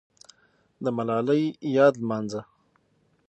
د ملالۍ یاد لمانځه.